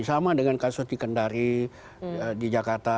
sama dengan kasus di kendari di jakarta